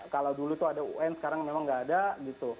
kalau dulu itu ada un sekarang memang tidak ada